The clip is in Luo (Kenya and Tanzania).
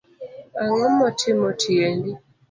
Angomotimo tiendi?